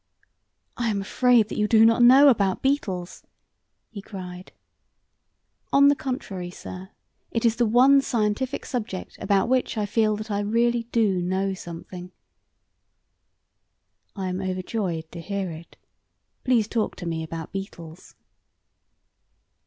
"I am afraid that you do not know about beetles," he cried. "On the contrary, sir, it is the one scientific subject about which I feel that I really do know something." "I am overjoyed to hear it. Please talk to me about beetles."